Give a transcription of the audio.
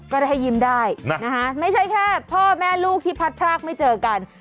ก็ได้ให้ยิ้มได้นะคะไม่ใช่แค่พ่อแม่ลูกที่พัดพรากไม่เจอกัน